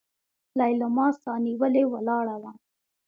ليلما سانيولې ولاړه وه.